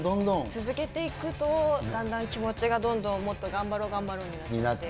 続けていくと、だんだん、気持ちがどんどん、もっと頑張ろう、頑張ろうになって。